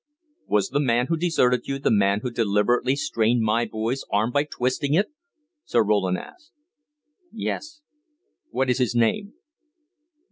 "Was the man who deserted you the man who deliberately strained my boy's arm by twisting it?" Sir Roland asked. "Yes." "What is his name?"